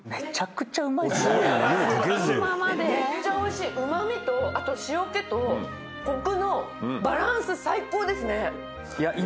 メッチャおいしい旨味とあと塩気とコクのバランス最高ですね